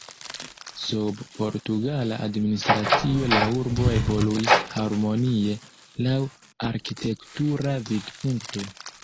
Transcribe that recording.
Sub portugala administracio la urbo evoluis harmonie laŭ arkitektura vidpunkto.